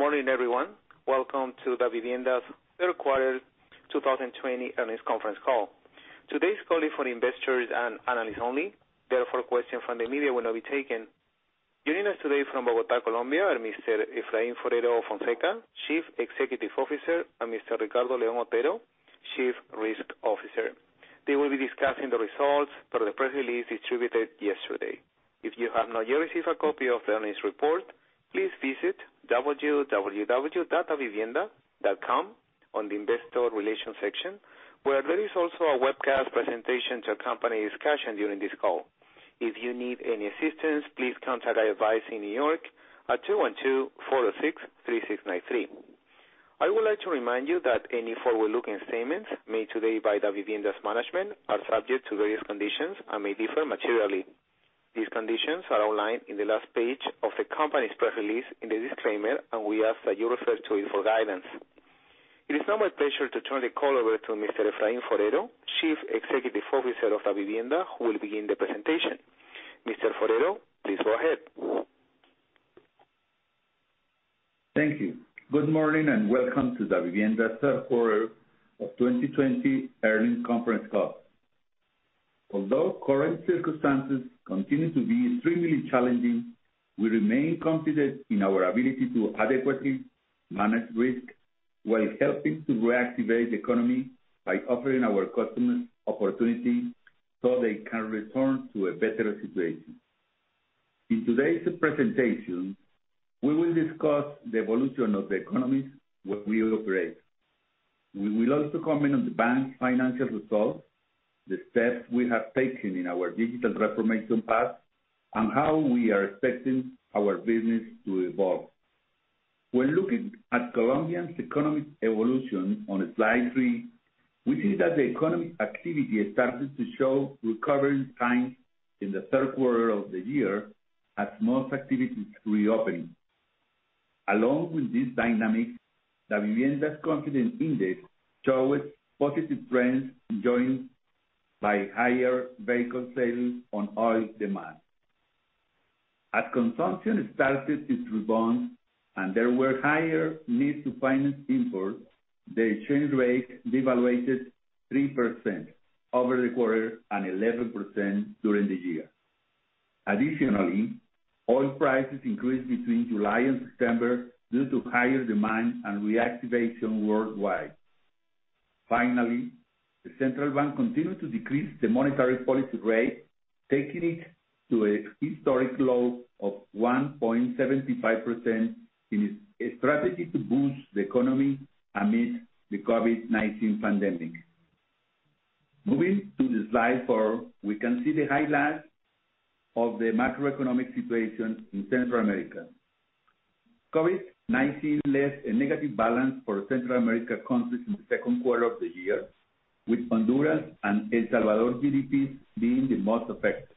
Good morning, everyone. Welcome to Davivienda's third quarter 2020 earnings conference call. Today's call is for investors and analysts only, therefore, questions from the media will not be taken. Joining us today from Bogota, Colombia, are Mr. Efraín Forero Fonseca, Chief Executive Officer, and Mr. Ricardo León Otero, Chief Risk Officer. They will be discussing the results from the press release distributed yesterday. If you have not yet received a copy of the earnings report, please visit www.davivienda.com on the investor relations section, where there is also a webcast presentation to accompany discussion during this call. If you need any assistance, please contact i-advize in New York at 212-406-3693. I would like to remind you that any forward-looking statements made today by Davivienda's management are subject to various conditions and may differ materially. These conditions are outlined on the last page of the company's press release in the disclaimer, and we ask that you refer to it for guidance. It is now my pleasure to turn the call over to Mr. Efraín Forero, Chief Executive Officer of Davivienda, who will begin the presentation. Mr. Forero, please go ahead. Thank you. Good morning, welcome to Davivienda's third quarter of 2020 earnings conference call. Although current circumstances continue to be extremely challenging, we remain confident in our ability to adequately manage risk while helping to reactivate the economy by offering our customers opportunities so they can return to a better situation. In today's presentation, we will discuss the evolution of the economies where we operate. We will also comment on the bank's financial results, the steps we have taken in our digital reformation path, and how we are expecting our business to evolve. When looking at Colombia's economic evolution on slide three, we see that the economic activity started to show recovery signs in the third quarter of the year as most activities reopening. Along with this dynamic, Davivienda's confidence index showed positive trends joined by higher vehicle sales on oil demand. Consumption started its rebound and there were higher needs to finance imports, the exchange rate devaluated 3% over the quarter and 11% during the year. Oil prices increased between July and September due to higher demand and reactivation worldwide. The central bank continued to decrease the monetary policy rate, taking it to a historic low of 1.75% in a strategy to boost the economy amid the COVID-19 pandemic. Moving to slide four, we can see the highlights of the macroeconomic situation in Central America. COVID-19 left a negative balance for Central America countries in the second quarter of the year, with Honduras and El Salvador GDPs being the most affected.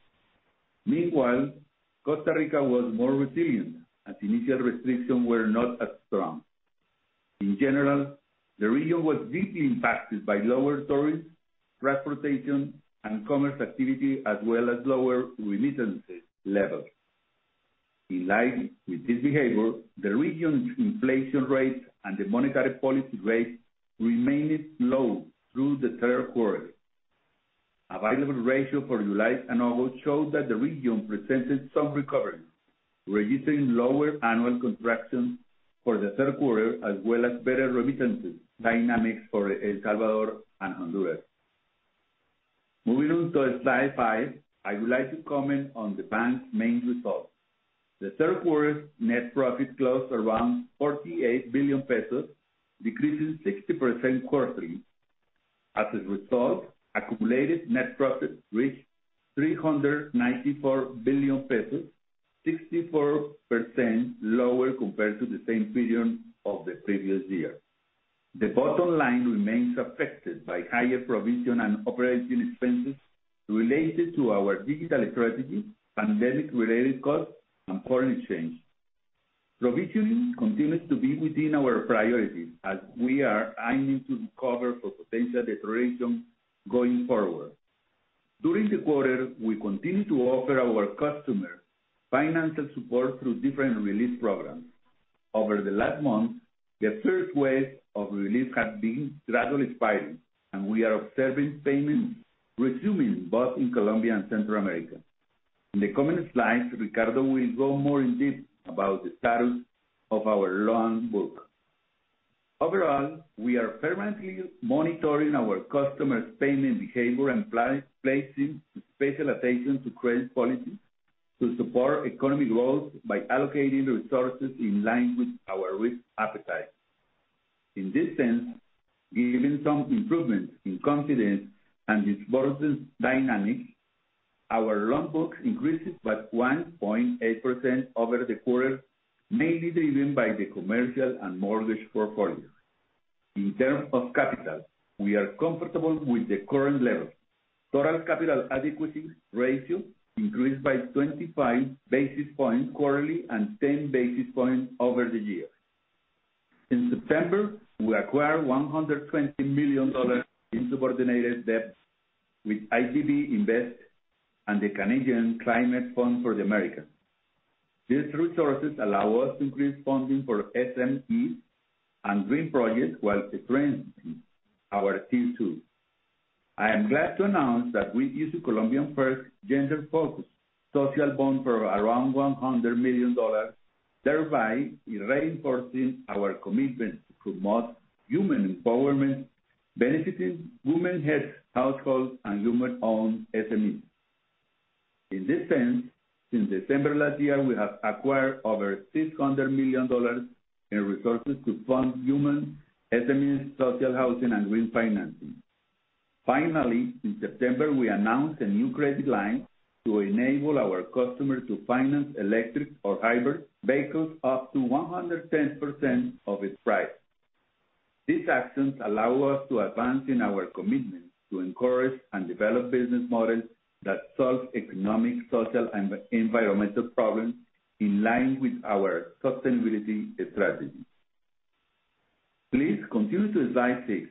Costa Rica was more resilient as initial restrictions were not as strong. The region was deeply impacted by lower tourist, transportation, and commerce activity as well as lower remittances levels. In line with this behavior, the region's inflation rate and the monetary policy rate remained low through the third quarter. Available ratio for July and August showed that the region presented some recovery, registering lower annual contractions for the third quarter as well as better remittances dynamics for El Salvador and Honduras. Moving on to slide five, I would like to comment on the bank's main results. The third quarter's net profit closed around COP 48 billion, decreasing 60% quarterly. As a result, accumulated net profit reached COP 394 billion, 64% lower compared to the same period of the previous year. The bottom line remains affected by higher provision and operating expenses related to our digital strategy, pandemic-related costs, and foreign exchange. Provisioning continues to be within our priority as we are aiming to recover for potential deterioration going forward. During the quarter, we continued to offer our customers financial support through different relief programs. Over the last month, the third wave of relief has been gradually expiring, and we are observing payments resuming both in Colombia and Central America. In the coming slides, Ricardo will go more in depth about the status of our loan book. Overall, we are permanently monitoring our customers' payment behavior and placing special attention to credit policy to support economic growth by allocating resources in line with our risk appetite. In this sense, given some improvements in confidence and disbursement dynamics, our loan book increased by 1.8% over the quarter, mainly driven by the commercial and mortgage portfolios. In terms of capital, we are comfortable with the current level. Total capital adequacy ratio increased by 25 basis points quarterly and 10 basis points over the year. In September, we acquired $120 million in subordinated debt with IDB Invest and the Canadian Climate Fund for the Americas. These resources allow us to increase funding for SME and green projects while strengthening our Tier two. I am glad to announce that we issued Colombian first Gender-focused Social Bond for around $100 million, thereby reinforcing our commitment to promote human empowerment, benefiting women-headed households and women-owned SMEs. In this sense, since December last year, we have acquired over $600 million in resources to fund human SMEs, social housing, and green financing. Finally, in September, we announced a new credit line to enable our customers to finance electric or hybrid vehicles up to 110% of its price. These actions allow us to advance in our commitment to encourage and develop business models that solve economic, social, and environmental problems in line with our sustainability strategy. Please continue to slide six.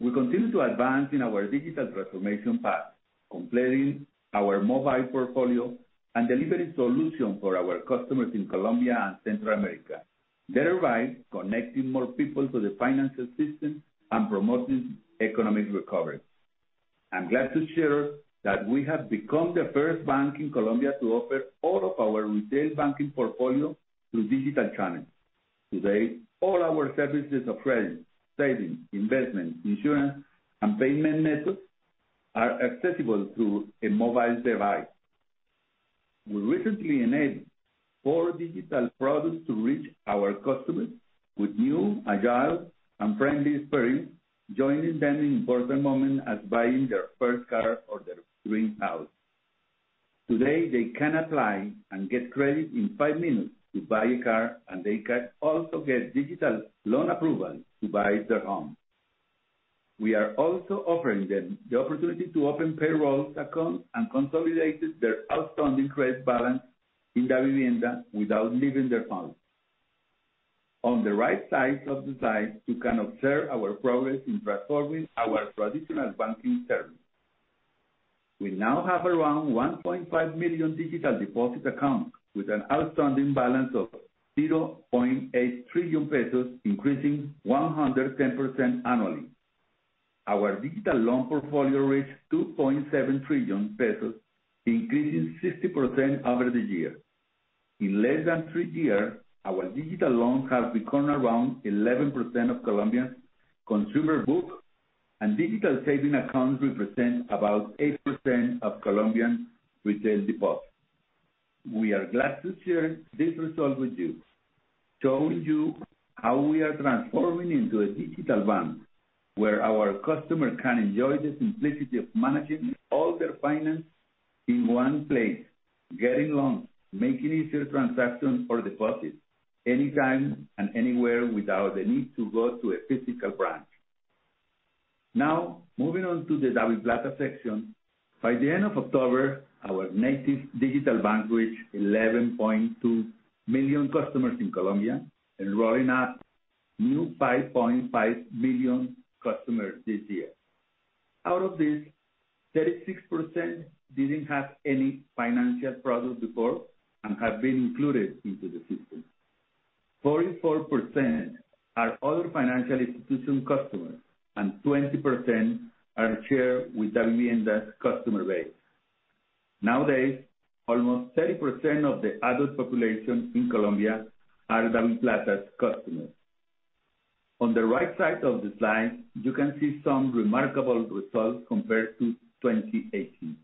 We continue to advance in our digital transformation path, completing our mobile portfolio and delivering solutions for our customers in Colombia and Central America, thereby connecting more people to the financial system and promoting economic recovery. I'm glad to share that we have become the first bank in Colombia to offer all of our retail banking portfolio through digital channels. Today, all our services of credit, savings, investment, insurance, and payment methods are accessible through a mobile device. We recently enabled four digital products to reach our customers with new, agile, and friendly experience, joining them in important moments as buying their first car or their dream house. Today, they can apply and get credit in 5 minutes to buy a car, and they can also get digital loan approval to buy their home. We are also offering them the opportunity to open payrolls accounts and consolidate their outstanding credit balance in Davivienda without leaving their homes. On the right side of the slide, you can observe our progress in transforming our traditional banking service. We now have around 1.5 million digital deposit accounts with an outstanding balance of COP 0.8 trillion, increasing 110% annually. Our digital loan portfolio reached COP 2.7 trillion, increasing 60% over the year. In less than 3 years, our digital loans have become around 11% of Colombia's consumer book, and digital saving accounts represent about 8% of Colombian retail deposits. We are glad to share this result with you, showing you how we are transforming into a digital bank where our customers can enjoy the simplicity of managing all their finance in one place, getting loans, making easier transactions or deposits anytime and anywhere without the need to go to a physical branch. Moving on to the DaviPlata section. By the end of October, our native digital bank reached 11.2 million customers in Colombia, enrolling a new 5.5 million customers this year. Out of this, 36% didn't have any financial product before and have been included into the system. 44% are other financial institution customers, and 20% are shared with Davivienda's customer base. Nowadays, almost 30% of the adult population in Colombia are DaviPlata's customers. On the right side of the slide, you can see some remarkable results compared to 2018.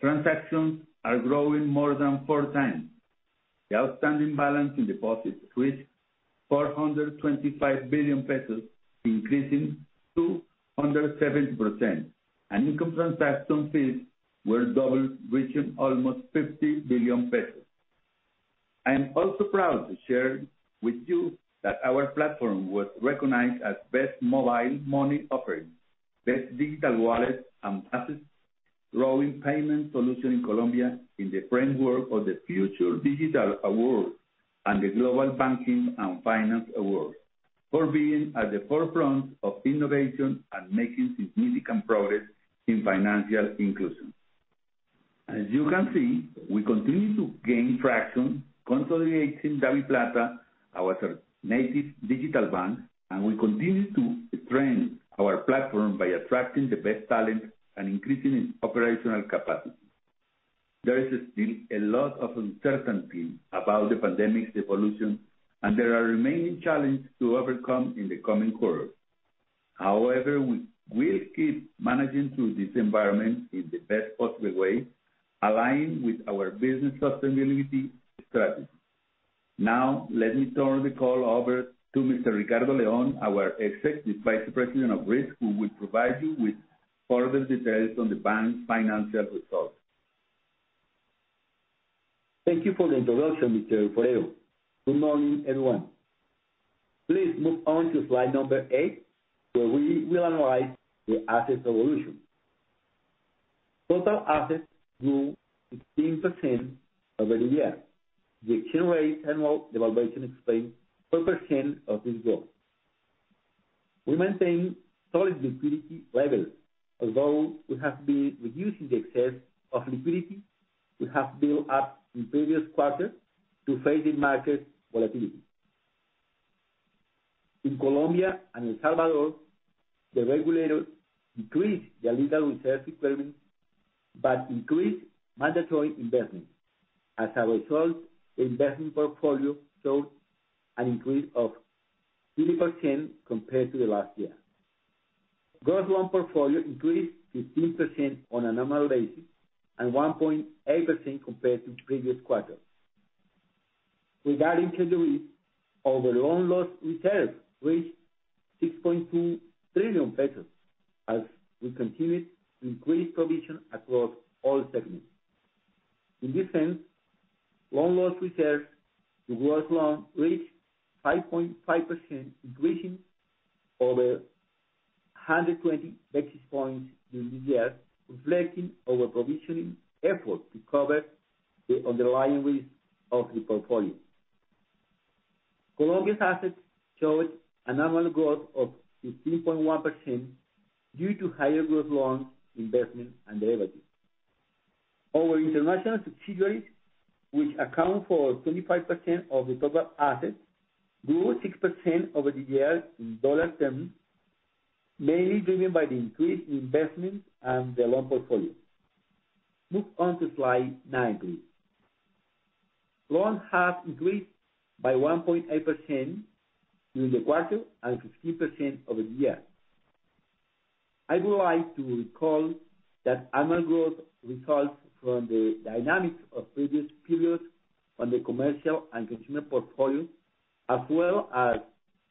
Transactions are growing more than four times. The outstanding balance in deposits reached COP 425 billion, increasing 270%, and income transaction fees were double, reaching almost COP 50 billion. I am also proud to share with you that our platform was recognized as best mobile money offering, best digital wallet and fastest-growing payment solution in Colombia in the framework of the Future Digital Awards and the Global Banking & Finance Awards for being at the forefront of innovation and making significant progress in financial inclusion. As you can see, we continue to gain traction consolidating DaviPlata, our native digital bank, and we continue to strengthen our platform by attracting the best talent and increasing its operational capacity. There is still a lot of uncertainty about the pandemic's evolution, and there are remaining challenges to overcome in the coming quarters. However, we will keep managing through this environment in the best possible way, aligned with our business sustainability strategy. Now, let me turn the call over to Mr. Ricardo León, our Executive Vice President of Risk, who will provide you with further details on the bank's financial results. Thank you for the introduction, Mr. Forero. Good morning, everyone. Please move on to slide number eight, where we will analyze the asset evolution. Total assets grew 15% over the year. We generate annual devaluation expense, 4% of this growth. We maintain solid liquidity levels. Although we have been reducing the excess of liquidity, we have built up in previous quarters to face the market volatility. In Colombia and El Salvador, the regulator increased the legal reserve requirement but increased mandatory investments. As a result, the investment portfolio showed an increase of three percent compared to the last year. Gross loan portfolio increased 15% on an annual basis and 1.8% compared to the previous quarter. Regarding credit risk, our loan loss reserves reached COP 6.2 trillion as we continued to increase provision across all segments. In this end, loan loss reserves to gross loans reached 5.5%, increasing over 120 basis points during the year, reflecting our provisioning effort to cover the underlying risk of the portfolio. Colombia's assets showed annual growth of 15.1% due to higher growth loans, investments, and derivatives. Our international subsidiaries, which account for 25% of the total assets, grew 6% over the year in dollar terms, mainly driven by the increased investments and the loan portfolio. Move on to slide nine, please. Loans have increased by 1.8% during the quarter and 15% over the year. I would like to recall that annual growth results from the dynamics of previous periods on the commercial and consumer portfolio, as well as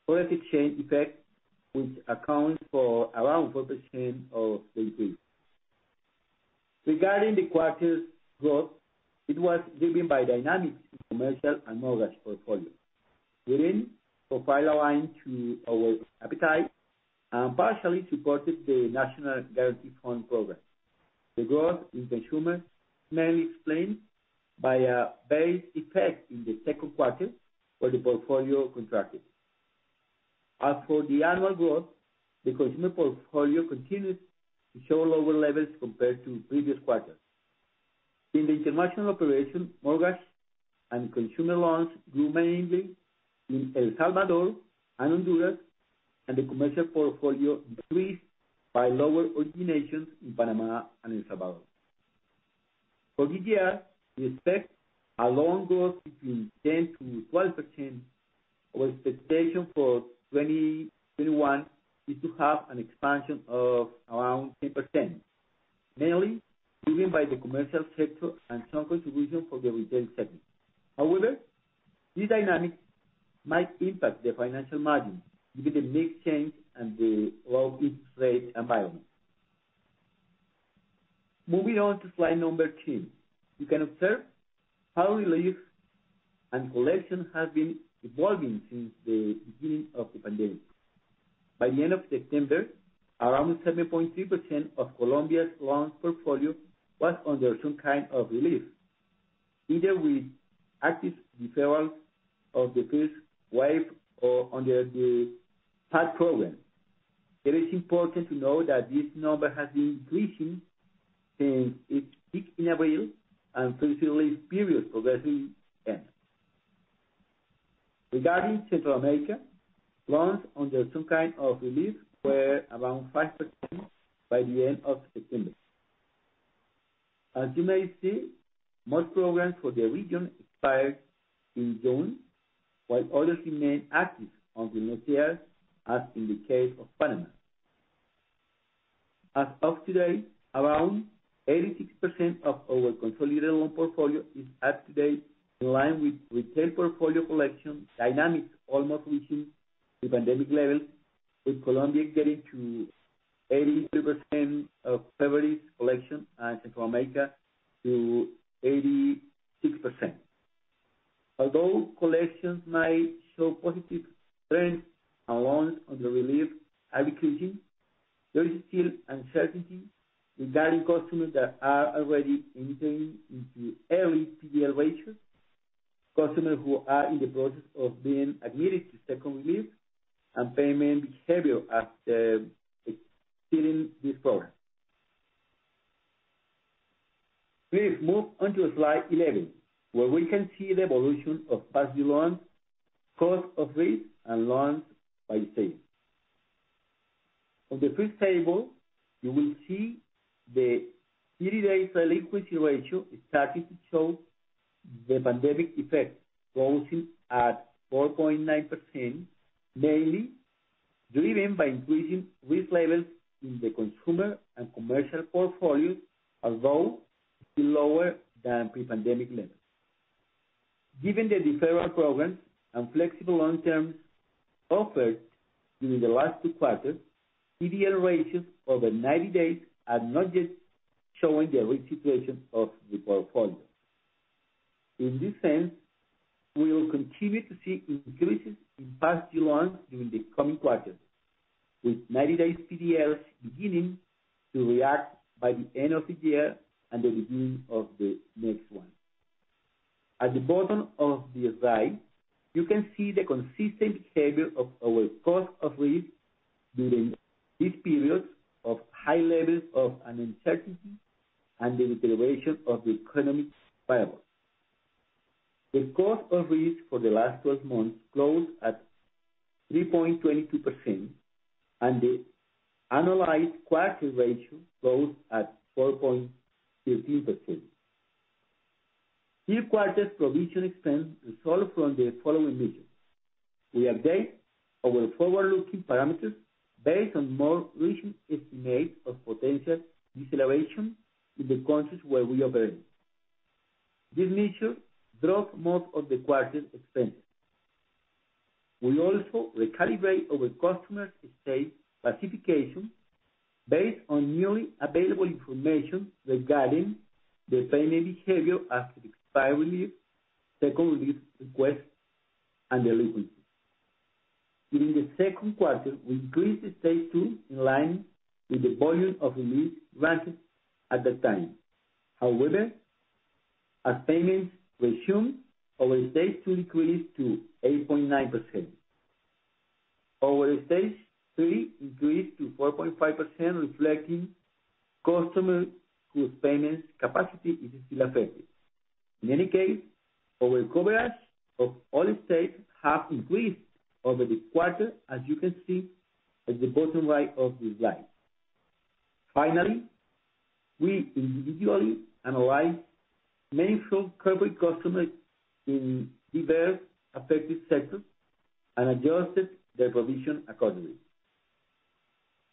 foreign exchange effect, which accounts for around 4% of the increase. Regarding the quarter's growth, it was driven by dynamics in commercial and mortgage portfolios. Within, profile align to our appetite and partially supported the National Guarantee Fund program. The growth in consumer is mainly explained by a base effect in the second quarter where the portfolio contracted. As for the annual growth, the consumer portfolio continues to show lower levels compared to previous quarters. In the international operation, mortgage and consumer loans grew mainly in El Salvador and Honduras, and the commercial portfolio decreased by lower originations in Panama and El Salvador. For this year, we expect a loan growth between 10%-12%. Our expectation for 2021 is to have an expansion of around 10%, mainly driven by the commercial sector and strong contribution from the retail segment. However, this dynamic might impact the financial margin due to the mix change and the low interest rate environment. Moving on to slide number 10. You can observe how relief and collection has been evolving since the beginning of the pandemic. By the end of September, around 7.3% of Colombia's loan portfolio was under some kind of relief, either with active deferral of the first wave or under the PAD program. It is important to note that this number has been increasing since it peaked in April, and since relief period progressively ends. Regarding Central America, loans under some kind of relief were around 5% by the end of September. As you may see, most programs for the region expired in June, while others remain active over multiple years, as in the case of Panama. As of today, around 86% of our consolidated loan portfolio is up to date, in line with retail portfolio collection dynamics almost reaching the pandemic levels, with Colombia getting to 83% of previous collection and Central America to 86%. Although collections may show positive trends and loans under relief are decreasing, there is still uncertainty regarding customers that are already entering into early PDL ratios, customers who are in the process of being admitted to second relief, and payment behavior after exiting this program. Please move on to slide 11, where we can see the evolution of past due loans, cost of risk, and loans by segment. On the first table, you will see the 30-day delinquency ratio is starting to show the pandemic effect closing at 4.9%, mainly driven by increasing risk levels in the consumer and commercial portfolio, although still lower than pre-pandemic levels. Given the deferral programs and flexible loan terms offered during the last two quarters, PDL ratios over 90 days are not yet showing the risk situation of the portfolio. In this sense, we will continue to see increases in past due loans during the coming quarters, with 90-day PDLs beginning to react by the end of the year and the beginning of the next one. At the bottom of the slide, you can see the consistent behavior of our cost of risk during these periods of high levels of uncertainty and the deterioration of the economic variables. The cost of risk for the last 12 months closed at 3.22%, and the annualized quarter ratio closed at 4.15%. This quarter's provision expense results from the following measures. We update our forward-looking parameters based on more recent estimates of potential deceleration in the countries where we operate. This measure drove most of the quarter's expenses. We also recalibrate our customer Stage classification based on newly available information regarding the payment behavior after the expiry leave, second leave request, and delinquency. During the second quarter, we increased Stage two in line with the volume of release granted at that time. However, as payments resume, our Stage two increased to 8.9%. Our Stage three increased to 4.5%, reflecting customers whose payments capacity is still affected. In any case, our coverage of all the stages has increased over the quarter, as you can see at the bottom right of the slide. Finally, we individually analyze mainstream corporate customers in diverse affected sectors and adjusted their provision accordingly.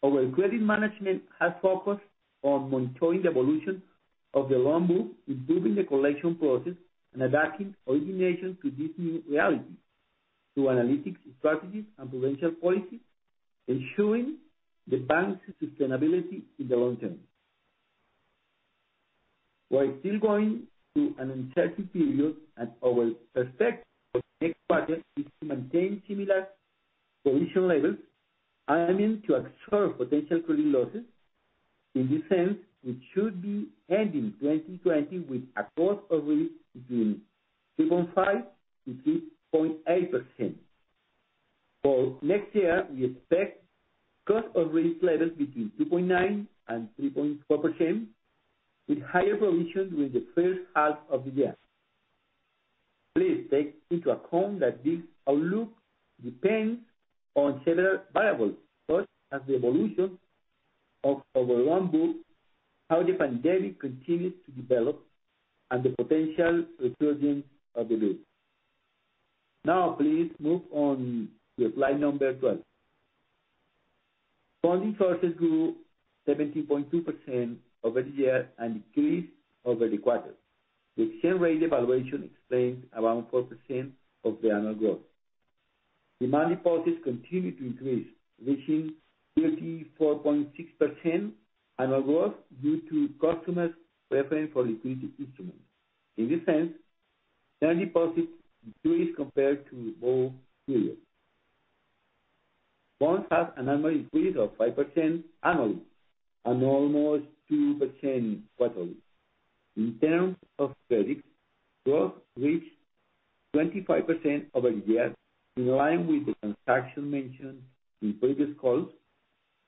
Our credit management has focused on monitoring the evolution of the loan book, improving the collection process, and adapting origination to this new reality through analytics strategies and provisioning policies, ensuring the bank's sustainability in the long term. We are still going through an uncertain period, and our perspective for the next quarter is to maintain similar provision levels, aiming to absorb potential credit losses. In this sense, we should be ending 2020 with a cost of risk between 3.5%-3.8%. For next year, we expect cost of risk levels between 2.9%-3.4%, with higher provisions during the first half of the year. Please take into account that this outlook depends on several variables, such as the evolution of our loan book, how the pandemic continues to develop, and the potential resurging of the loans. Now, please move on to slide number 12. Funding sources grew 17.2% over the year and increased over the quarter. The exchange rate evaluation explains around 4% of the annual growth. Demand deposits continued to increase, reaching 34.6% annual growth due to customers preference for liquidity instruments. In this sense, term deposits decreased compared to the whole period. Bonds had a normal increase of 5% annually and almost 2% quarterly. In terms of credits, growth reached 25% over the year, in line with the transaction mentioned in previous calls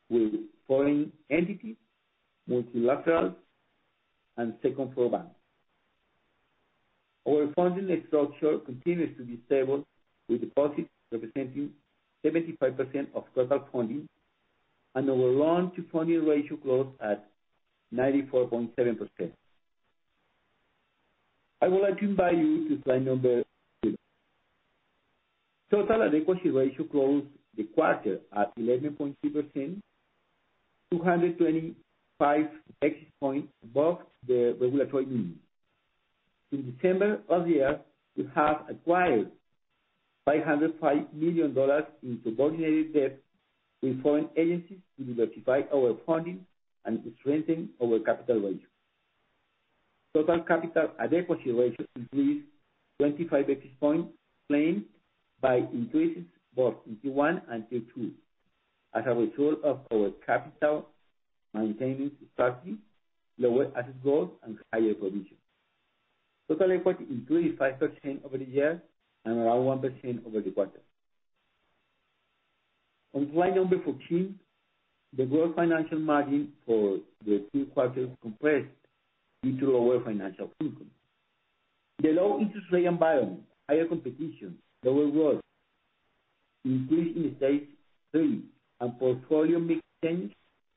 with foreign entities, multilaterals, and second floor banks. Our funding structure continues to be stable, with deposits representing 75% of total funding, and our loan-to-funding ratio closed at 94.7%. I would like to invite you to slide number 13. Total equity ratio closed the quarter at 11.3%, 225 basis points above the regulatory minimum. In December of the year, we have acquired $505 million in subordinated debt with foreign agencies to diversify our funding and strengthen our capital ratio. Total capital adequacy ratio increased 25 basis points, explained by increases both in T1 and T2, as a result of our capital maintaining strategy, lower asset growth, and higher provisions. Total equity increased 5% over the year and around 1% over the quarter. On slide number 14, the gross financial margin for the two quarters compressed due to lower financial income. The low interest rate environment, higher competition, lower growth, increase in Stage three, and portfolio mix change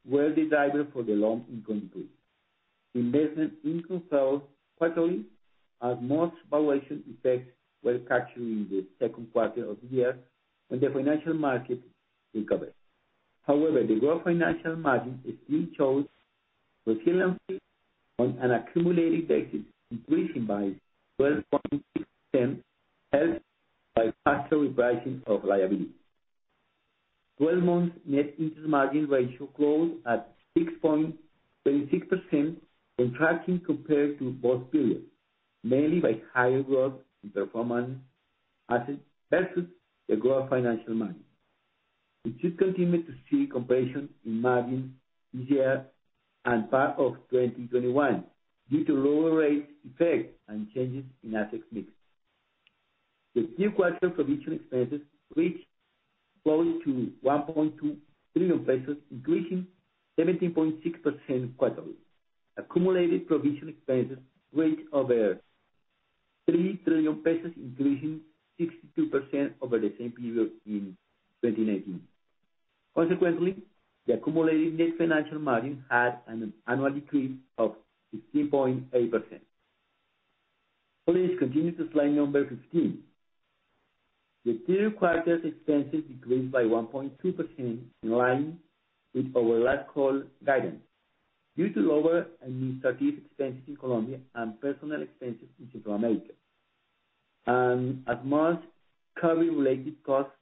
were the driver for the loan income growth. Investment income fell quarterly as most valuation effects were captured in the second quarter of the year when the financial market recovered. The raw financial margin still shows resiliency on an accumulated basis, increasing by 12.6%, helped by faster repricing of liabilities. 12-month net interest margin ratio growth at 6.36%, contracting compared to both periods, mainly by higher growth in performance assets versus the growth financial margin. We should continue to see compression in margin this year and part of 2021 due to lower rate effect and changes in asset mix. The new quarter provision expenses reached close to COP 1.2 trillion, increasing 17.6% quarterly. Accumulated provision expenses reached over COP 3 trillion, increasing 62% over the same period in 2019. The accumulated net financial margin had an annual decrease of 15.8%. Please continue to slide number 15. The three quarters expenses decreased by 1.2%, in line with our last call guidance due to lower administrative expenses in Colombia and personnel expenses in Central America, and as most COVID-related costs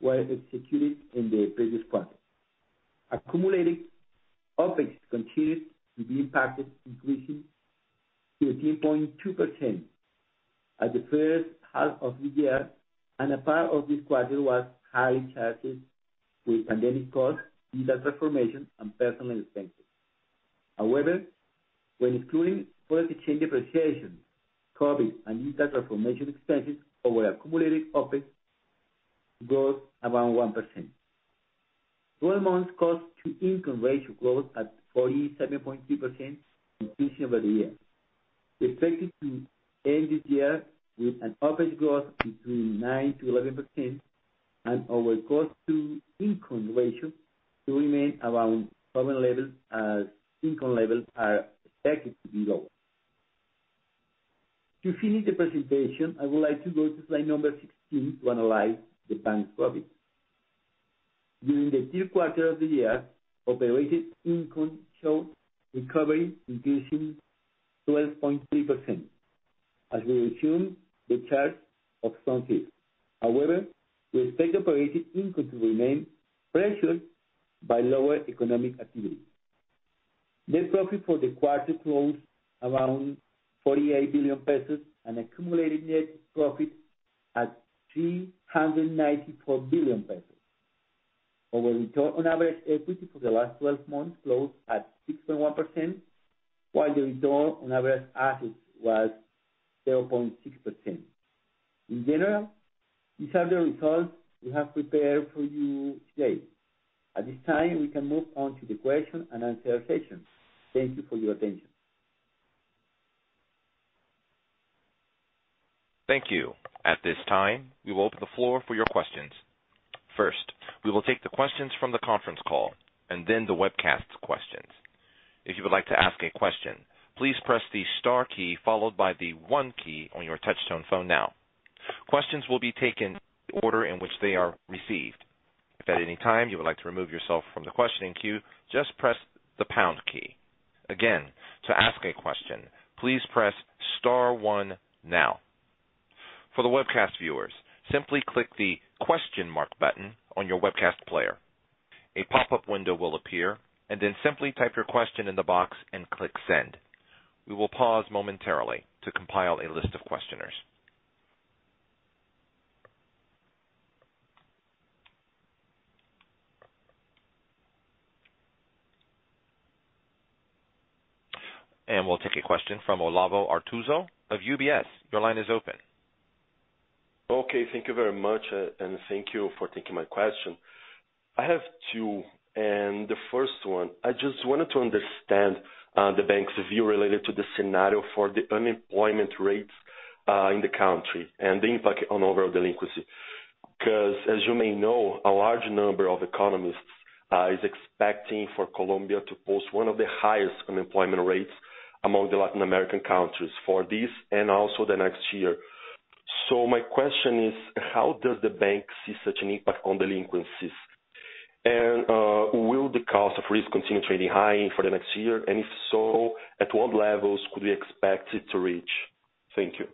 were executed in the previous quarter. Accumulated OpEx continued to be impacted, increasing 13.2% at the first half of the year, and a part of this quarter was highly charged with pandemic costs, data transformation, and personnel expenses. However, when excluding foreign exchange depreciation, COVID and data transformation expenses over accumulated OpEx growth around 1%. 12 months cost to income ratio growth at 47.2%, increasing over the year. We expected to end this year with an OpEx growth between 9%-11% and our cost to income ratio to remain around current levels, as income levels are expected to be lower. To finish the presentation, I would like to go to slide number 16 to analyze the bank's profit. During the third quarter of the year, operating income showed recovery, increasing 12.3% as we resume the charge of. However, we expect operating income to remain pressured by lower economic activity. Net profit for the quarter closed around COP 48 billion and accumulated net profit at COP 394 billion. Our return on average equity for the last 12 months closed at 6.1%, while the return on average assets was 0.6%. In general, these are the results we have prepared for you today. At this time, we can move on to the question and answer session. Thank you for your attention. Thank you. At this time, we will open the floor for your questions. First, we will take the questions from the conference call and then the webcast questions. If you would like to ask a question, please press the star key followed by the one key on your touchtone phone now. Questions will be taken in the order in which they are received. If at any time you would like to remove yourself from the questioning queue, just press the pound key. Again, to ask a question, please press star one now. For the webcast viewers, simply click the question mark button on your webcast player. A pop-up window will appear, and then simply type your question in the box and click send. We will pause momentarily to compile a list of questioners. And we'll take a question from Olavo Artuso of UBS. Your line is open. Okay. Thank you very much. Thank you for taking my question. I have two. The first one, I just wanted to understand the bank's view related to the scenario for the unemployment rates in the country and the impact on overall delinquency. As you may know, a large number of economists is expecting for Colombia to post one of the highest unemployment rates among the Latin American countries for this and also the next year. My question is: how does the bank see such an impact on delinquencies? Will the cost of risk continue trending high for the next year? If so, at what levels could we expect it to reach? Thank you.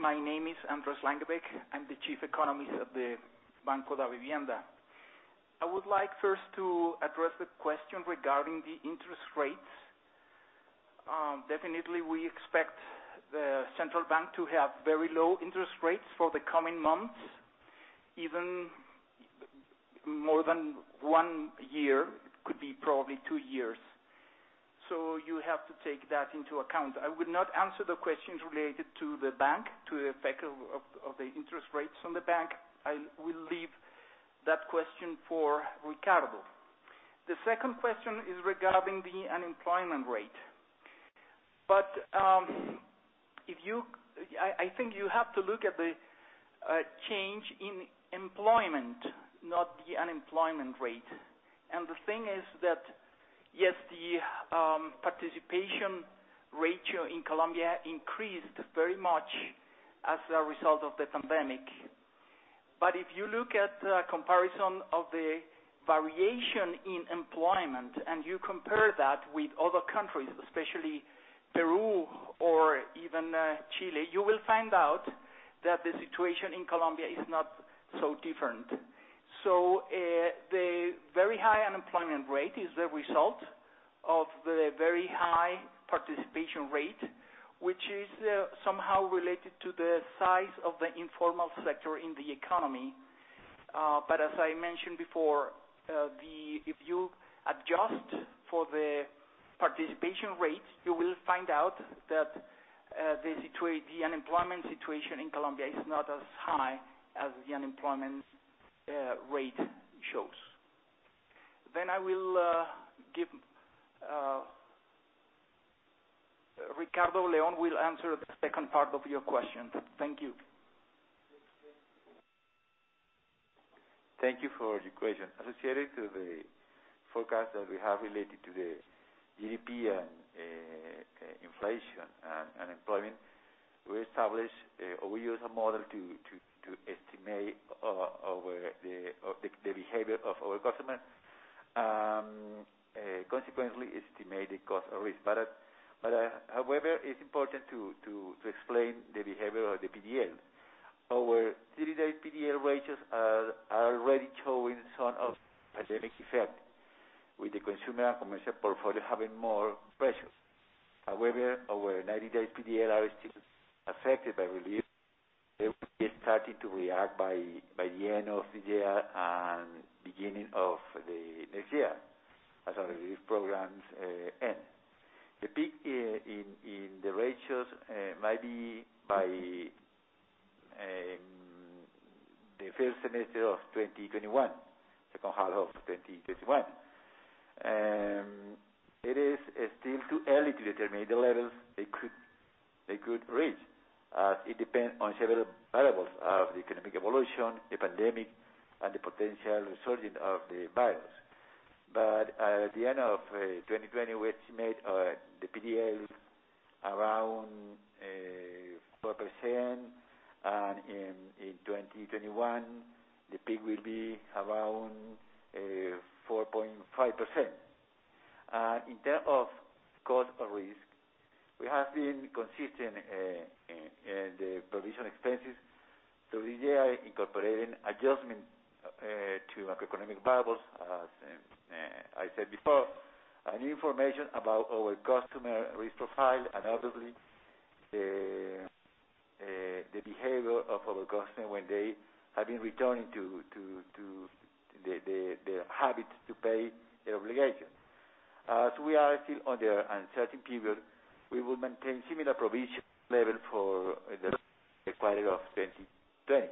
My name is Andrés Langebaek. I'm the Chief Economist of the Banco Davivienda. I would like first to address the question regarding the interest rates. Definitely, we expect the central bank to have very low interest rates for the coming months, even more than one year. It could be probably two years. You have to take that into account. I would not answer the questions related to the bank, to the effect of the interest rates on the bank. I will leave that question for Ricardo. The second question is regarding the unemployment rate. I think you have to look at the change in employment, not the unemployment rate. The thing is that, yes, the participation ratio in Colombia increased very much as a result of the pandemic. If you look at the comparison of the variation in employment, and you compare that with other countries, especially Peru or even Chile, you will find out that the situation in Colombia is not so different. The very high unemployment rate is the result of the very high participation rate, which is somehow related to the size of the informal sector in the economy. As I mentioned before, if you adjust for the participation rate, you will find out that the unemployment situation in Colombia is not as high as the unemployment rate shows. Ricardo León will answer the second part of your question. Thank you. Thank you for your question. Associated to the forecast that we have related to the GDP and inflation and unemployment, we use a model to estimate the behavior of our customer, and consequently estimate the cost of risk. However, it's important to explain the behavior of the PDL. Our 30-day PDL ratios are already showing some of pandemic effect, with the consumer commercial portfolio having more pressure. However, our 90-day PDL are still affected by relief. They will be starting to react by the end of the year and beginning of the next year, as our relief programs end. The peak in the ratios might be by the first semester of 2021, second half of 2021. It is still too early to determine the levels they could reach, as it depends on several variables of the economic evolution, the pandemic, and the potential resurging of the virus. At the end of 2020, we estimate the PDL around 4%, and in 2021, the peak will be around 4.5%. In terms of cost of risk, we have been consistent in the provision expenses through the year incorporating adjustment to macroeconomic variables. As I said before, new information about our customer risk profile and obviously the behavior of our customer when they have been returning to their habit to pay their obligation. As we are still under uncertain period, we will maintain similar provision level for the rest of the quarter of 2020.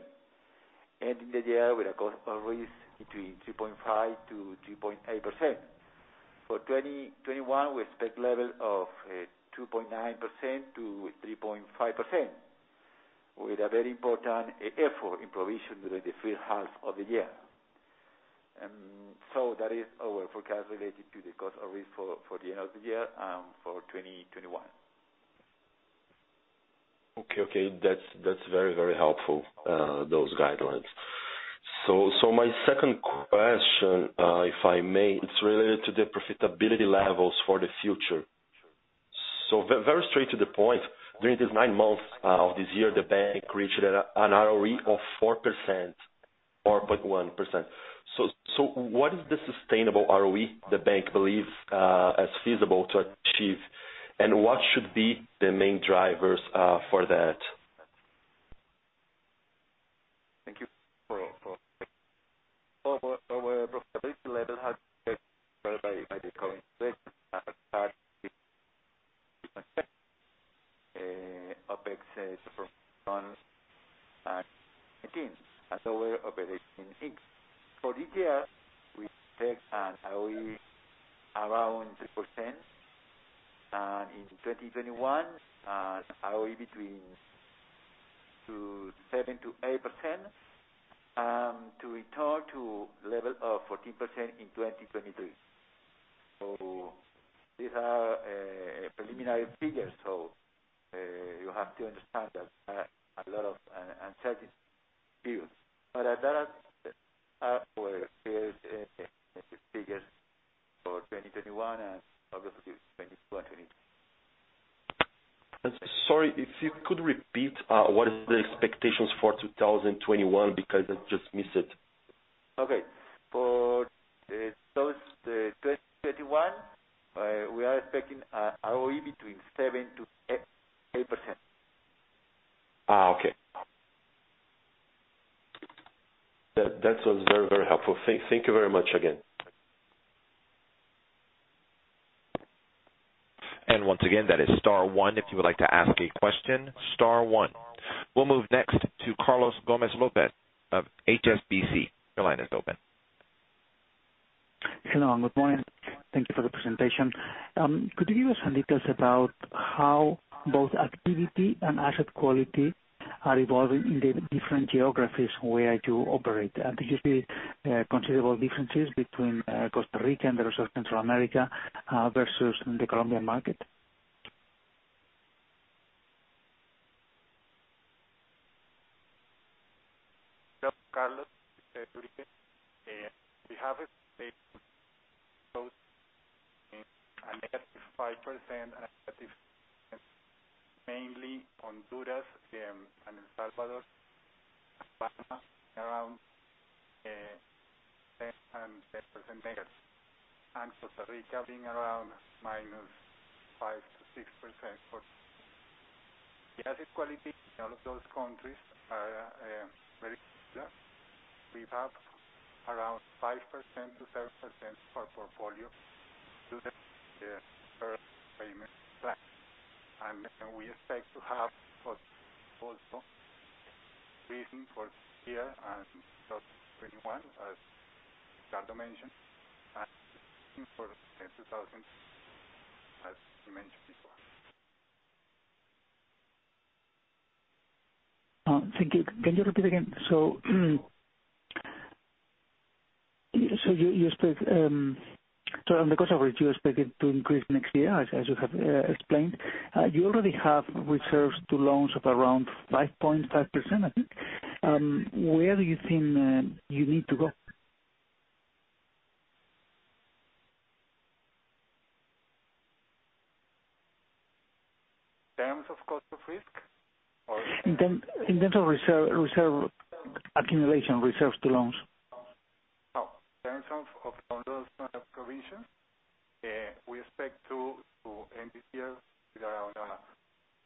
Ending the year with a cost of risk between 3.5%-3.8%. For 2021, we expect level of 2.9%-3.5%, with a very important effort in provision during the first half of the year. That is our forecast related to the cost of risk for the end of the year, and for 2021. Okay. That's very helpful, those guidelines. My second question, if I may, it's related to the profitability levels for the future. Very straight to the point. During these nine months of this year, the bank reached an ROE of 4.1%. What is the sustainable ROE the bank believes as feasible to achieve, and what should be the main drivers for that? Thank you. Our profitability level has been affected by the COVID-19 situation and at the same time, by the increase in provisions in 2019 and lower operating income. For this year, we expect an ROE around 3%, and in 2021, an ROE between 7%-8%, and to return to level of 14% in 2023. These are preliminary figures, so you have to understand that there are a lot of uncertainties still. That are our figures for 2021 and obviously for 2022. Sorry, if you could repeat, what is the expectations for 2021, because I just missed it? Okay. For 2021, we are expecting a ROE between 7%-8%. Okay. That was very helpful. Thank you very much again. once again, that is star one if you would like to ask a question, star one. We'll move next to Carlos Gomez-Lopez of HSBC. Your line is open. Hello and good morning. Thank you for the presentation. Could you give us some details about how both activity and asset quality are evolving in the different geographies where you operate? Do you see considerable differences between Costa Rica and the rest of Central America versus the Colombian market? Carlos, it's Enrique. We have a statement that shows a -5% and a negative mainly Honduras and El Salvador and Panama around 10% negative. Costa Rica being around -5%--6%. The asset quality in all of those countries are very similar. We have around 5%-7% for portfolio to the first payment plan. We expect to have also reason for this year and 2021, as Carlos mentioned, and, [inaudible] as you mentioned before. Thank you. Can you repeat again? The cost of risk, you expect it to increase next year, as you have explained. You already have reserves to loans of around 5.5%, I think. Where do you think you need to go? In terms of cost of risk? In terms of reserve accumulation, reserves to loans. In terms of loan loss provision, we expect to end this year with around a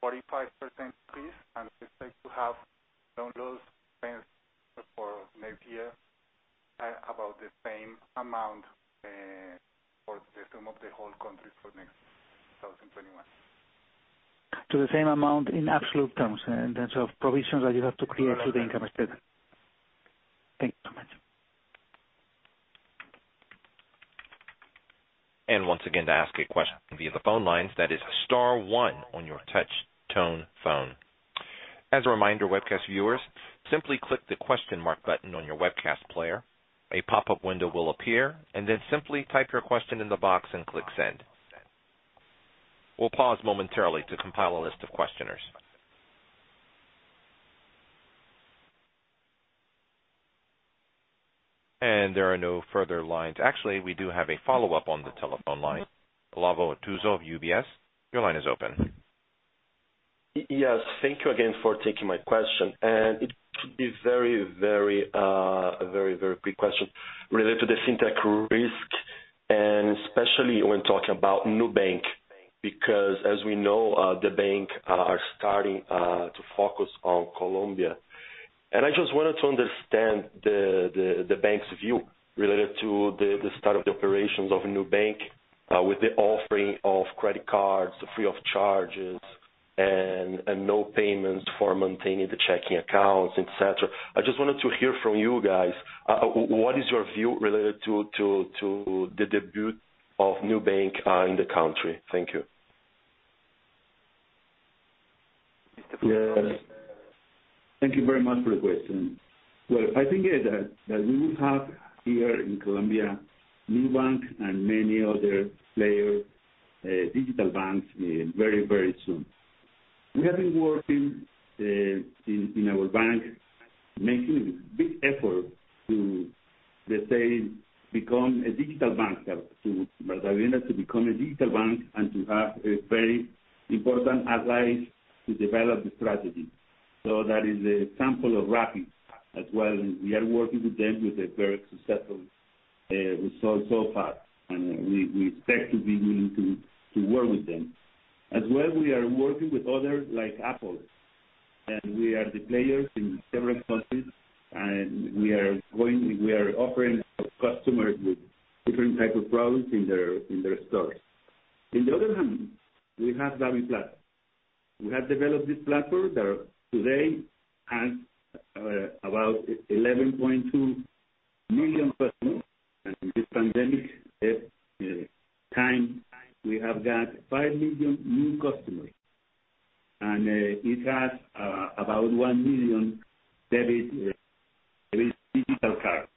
45% increase, and we expect to have loan loss expense for next year about the same amount for the sum of the whole country for next, 2021. To the same amount in absolute terms, in terms of provisions that you have to create to the income statement. Thank you so much. Once again, to ask a question via the phone lines, that is star one on your touch tone phone. As a reminder, webcast viewers, simply click the question mark button on your webcast player. A pop-up window will appear, then simply type your question in the box and click send. We'll pause momentarily to compile a list of questioners. There are no further lines. Actually, we do have a follow-up on the telephone line. Olavo Artuso of UBS, your line is open. Yes. Thank you again for taking my question. It is a very quick question related to the fintech risk and especially when talking about Nubank, because as we know, the bank are starting to focus on Colombia. I just wanted to understand the bank's view related to the start of the operations of Nubank, with the offering of credit cards free of charges and no payments for maintaining the checking accounts, et cetera. I just wanted to hear from you guys, what is your view related to the debut of Nubank in the country? Thank you. Thank you very much for the question. I think that we will have here in Colombia, Nubank and many other player digital banks very soon. We have been working in our bank, making big effort to become a digital bank and to have a very important allies to develop the strategy. That is a sample of Rappi as well, and we are working with them with a very successful result so far. We expect to be willing to work with them. As well, we are working with others like Apple, we are the players in several countries, we are offering our customers with different type of products in their stores. In the other hand, we have DaviPlata. We have developed this platform that today has about 11.2 million customers. In this pandemic time, we have got 5 million new customers. It has about 1 million debit digital cards.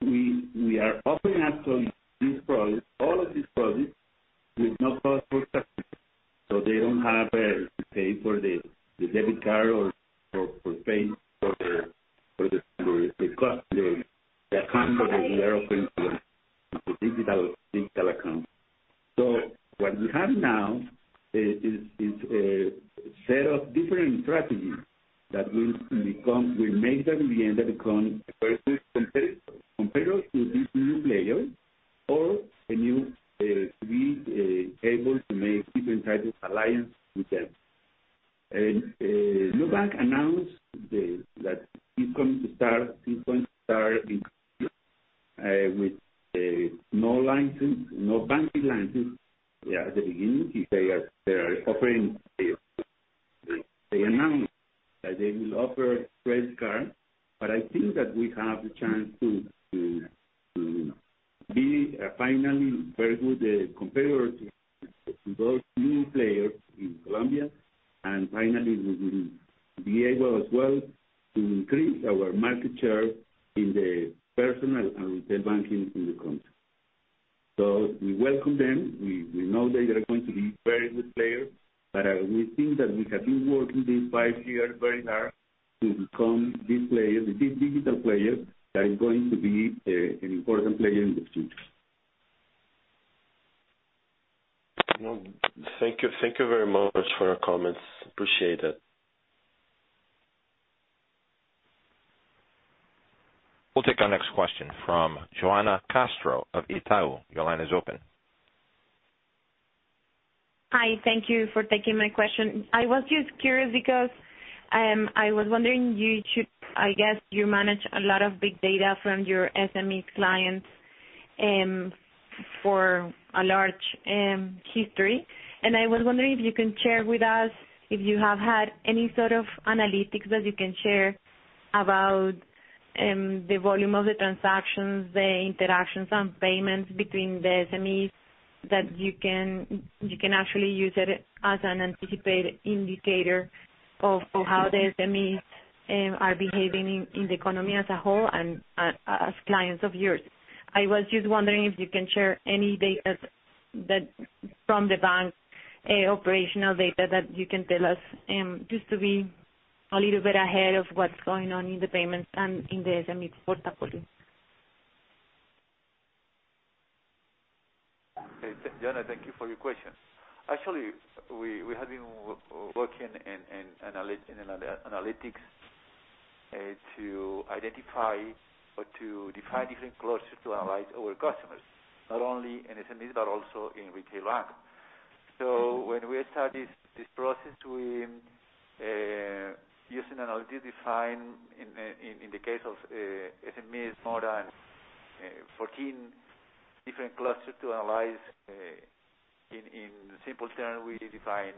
We are offering actually these products, all of these products, with no cost for customers. They don't have to pay for the debit card or for paying for the account that they are opening, for digital account. What we have now is a set of different strategies that will make that we end up becoming a very good competitor to these new players or be able to make different types of alliance with them. Nubank announced that it's going to start in Colombia with no banking license at the beginning. They are offering, they announced that they will offer credit card, but I think that we have the chance to be finally very good competitor to those new players in Colombia. Finally, we will be able as well to increase our market share in the personal and retail banking in the country. We welcome them. We know they are going to be very good players, but we think that we have been working these 5 years very hard to become this digital player that is going to be an important player in the future. Thank you very much for your comments. Appreciate it. We'll take our next question from Joana Castro of Itaú. Your line is open. Hi. Thank you for taking my question. I was just curious because I was wondering, I guess you manage a lot of big data from your SME clients for a large history, and I was wondering if you can share with us if you have had any sort of analytics that you can share about the volume of the transactions, the interactions on payments between the SMEs that you can actually use as an anticipated indicator of how the SMEs are behaving in the economy as a whole and as clients of yours. I was just wondering if you can share any data from the bank, operational data that you can tell us, just to be a little bit ahead of what's going on in the payments and in the SME portfolio. Joana, thank you for your question. Actually, we have been working in analytics to identify or to define different clusters to analyze our customers, not only in SMEs but also in retail bank. When we started this process, we used an analytics define in the case of SMEs, more than 14 different clusters to analyze. In simple terms, we define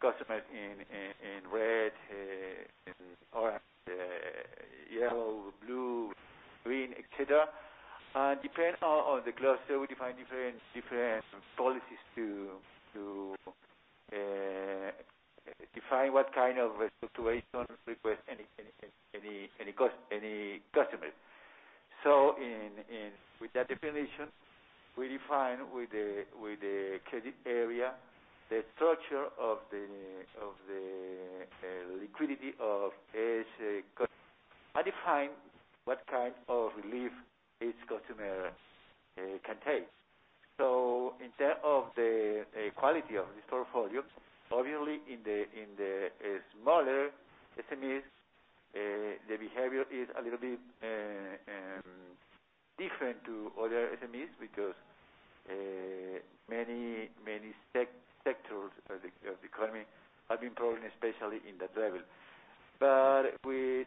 customers in red, orange, yellow, blue, green, et cetera. Depends on the cluster, we define different policies to define what kind of situation request any customer. With that definition, we define with the credit area, the structure of the liquidity of each customer. I define what kind of relief each customer can take. In terms of the quality of this portfolio, obviously in the smaller SMEs, the behavior is a little bit different to other SMEs because many sectors of the economy have been growing, especially in that level. We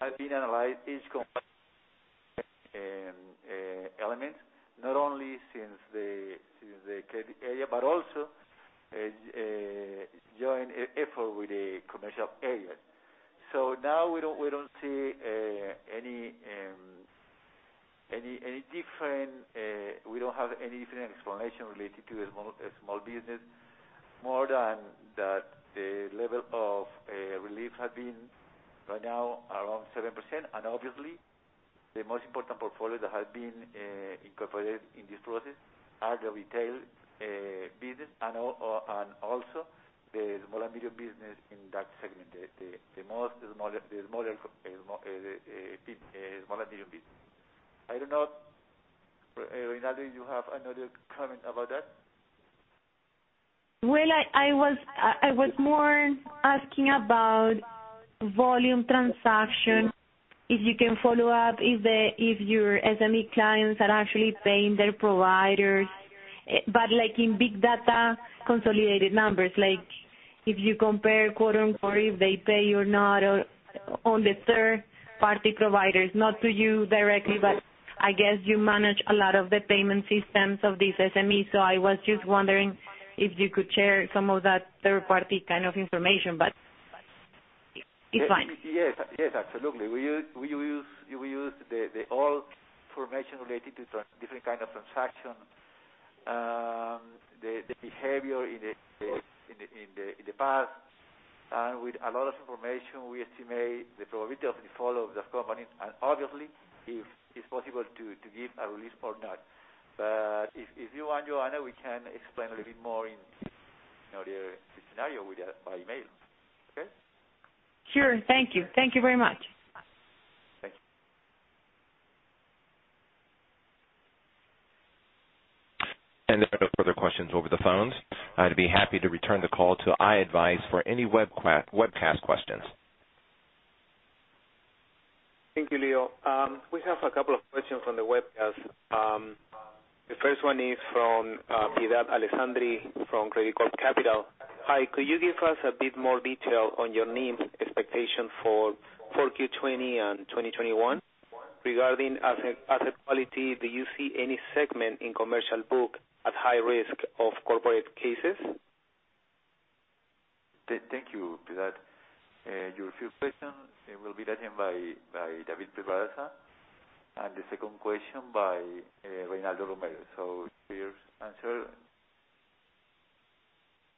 have been analyzing each elements, not only since the credit area, but also a joint effort with the commercial area. Now we don't have any different explanation related to a small business, more than that the level of relief has been right now around 7%. Obviously, the most important portfolio that has been incorporated in this process are the retail business and also the small and medium business in that segment, the most small and medium business. I don't know, Reinaldo, you have another comment about that? Well, I was more asking about volume transaction, if you can follow up, if your SME clients are actually paying their providers, but like in big data, consolidated numbers, like if you compare quote, unquote, if they pay or not on the third-party providers, not to you directly, but I guess you manage a lot of the payment systems of these SMEs. I was just wondering if you could share some of that third-party kind of information, but it's fine. Yes, absolutely. We use all information related to different kind of transaction, the behavior in the past. With a lot of information, we estimate the probability of default of the company, and obviously, if it's possible to give a release or not. If you want, Joana, we can explain a little bit more in another scenario by email. Okay? Sure. Thank you. Thank you very much. Thank you. There are no further questions over the phones. I'd be happy to return the call to i-advize for any webcast questions. Thank you, Leo. We have a couple of questions on the webcast. The first one is from Piedad Alessandri from Credicorp Capital. Hi, could you give us a bit more detail on your NIM expectation for 2020 and 2021? Regarding asset quality, do you see any segment in commercial book at high risk of corporate cases? Thank you, Piedad. Your first question will be answered by David Pedraza, and the second question by Reinaldo Romero. First answer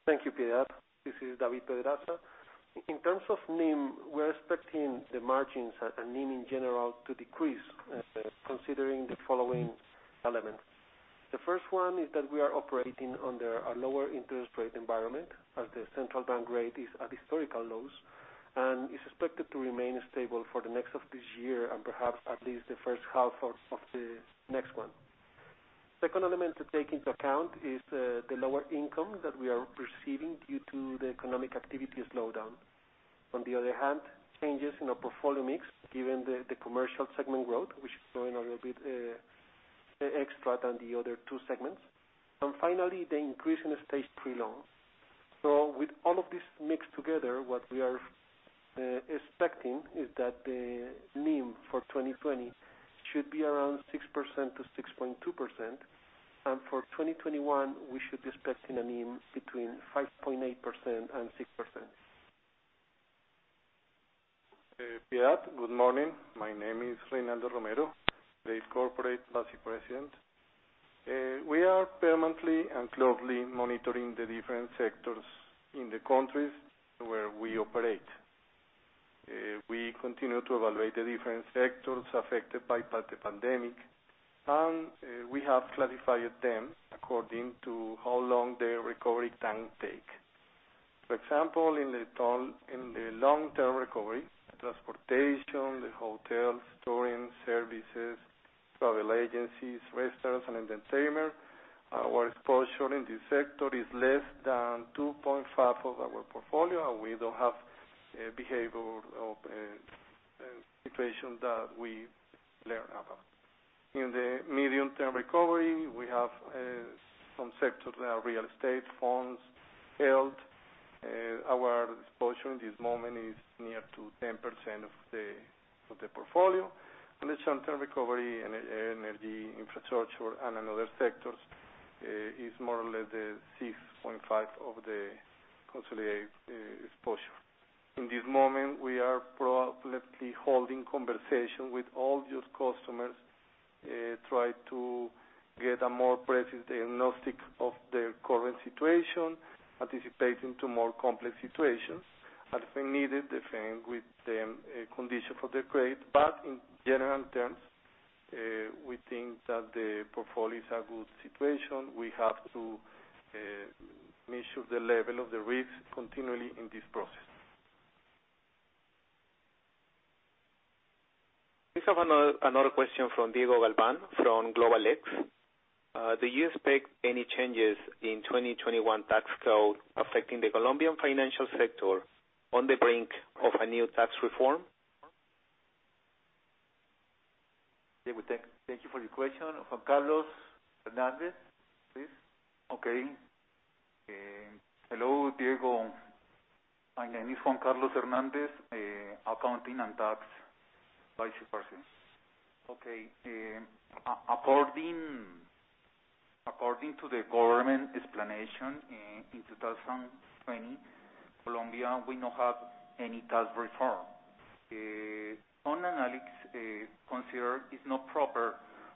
Thank you, Piedad. This is David Pedraza. In terms of NIM, we're expecting the margins and NIM in general to decrease, considering the following elements. The first one is that we are operating under a lower interest rate environment, as the central bank rate is at historical lows, and is expected to remain stable for the rest of this year and perhaps at least the first half of the next one. Second element to take into account is the lower income that we are receiving due to the economic activity slowdown. On the other hand, changes in our portfolio mix, given the commercial segment growth, which is growing a little bit extra than the other two segments. Finally, the increase in the Stage three loans. With all of this mixed together, what we are expecting is that the NIM for 2020 should be around 6%-6.2%, and for 2021, we should be expecting a NIM between 5.8% and 6%. Piedad, good morning. My name is Reinaldo Romero, Davivienda Corporate Vice President. We are permanently and closely monitoring the different sectors in the countries where we operate. We continue to evaluate the different sectors affected by the pandemic, we have classified them according to how long the recovery can take. For example, in the long-term recovery, transportation, the hotels, touring services, travel agencies, restaurants and entertainment. Our exposure in this sector is less than 2.5 of our portfolio, and we don't have behavioral of situation that we learn about. In the medium-term recovery, we have some sectors, real estate, phones, health. Our exposure in this moment is near to 10% of the portfolio. The short-term recovery, energy, infrastructure, and another sectors, is more or less the 6.5 of the consolidated exposure. In this moment, we are proactively holding conversation with all these customers, try to get a more precise diagnostic of their current situation, anticipating to more complex situations. As we needed, defend with them a condition for the credit. In general terms, we think that the portfolio is a good situation. We have to measure the level of the risk continually in this process. We have another question from Diego Galván, from Global X. Do you expect any changes in 2021 tax code affecting the Colombian financial sector on the brink of a new tax reform? David, thank you for your question. Juan Carlos Hernández, please. Okay. Hello, Diego. My name is Juan Carlos Hernández, accounting and tax vice president. Okay. According to the government explanation in 2020, Colombia will not have any tax reform. Own analytics consider it's not proper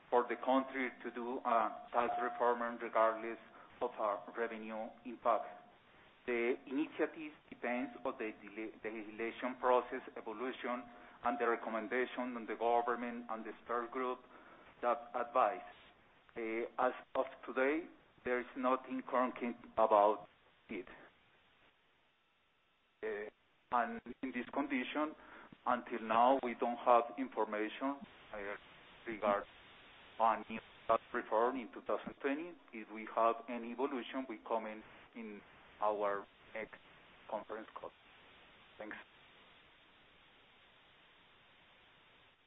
for the country to do a tax reform regardless of our revenue impact. The initiatives depends on the legislation process evolution and the recommendation on the government and the third group that advise. As of today, there is nothing concrete about it. In this condition, until now, we don't have information regards on any tax reform in 2020. If we have any evolution, we comment in our next conference call.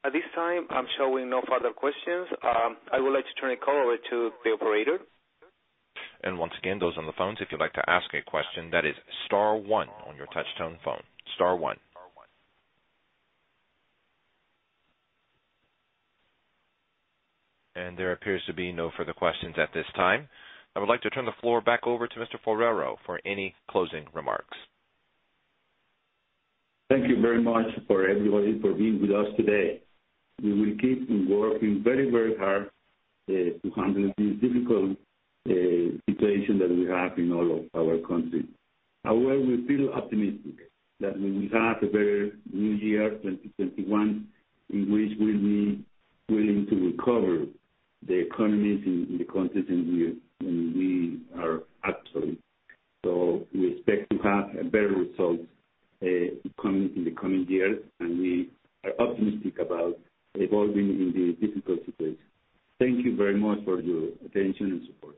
Thanks. At this time, I'm showing no further questions. I would like to turn the call over to the operator. Once again, those on the phones, if you'd like to ask a question, that is star one on your touch-tone phone. Star one. There appears to be no further questions at this time. I would like to turn the floor back over to Mr. Forero for any closing remarks. Thank you very much for everybody for being with us today. We will keep working very hard to handle this difficult situation that we have in all of our countries. We feel optimistic that we will have a better new year, 2021, in which we'll be willing to recover the economies in the countries in which we are actually. We expect to have better results in the coming year, and we are optimistic about evolving in the difficult situation. Thank you very much for your attention and support